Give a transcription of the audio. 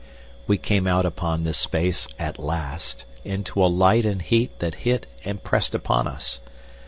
We came out upon this space at last into a light and heat that hit and pressed upon us.